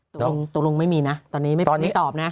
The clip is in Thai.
ตรงรุงไม่มีนะตอนนี้ไม่ตอบนะ